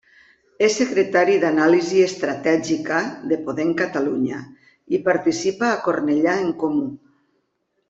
És secretari d'anàlisi estratègica de Podem Catalunya i participa a Cornellà En Comú.